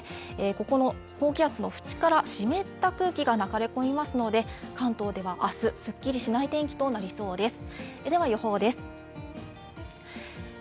ここの高気圧の縁から湿った空気が流れ込みますので、関東では明日、すっきりしない天気となりそうです。